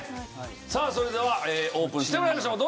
さあそれではオープンしてもらいましょう！